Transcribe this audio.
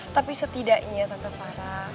tapi setidaknya tante farah